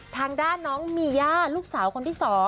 ทางด้านน้องมีย่าลูกสาวคนที่๒